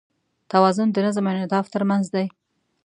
توازن د نظم او انعطاف تر منځ دی.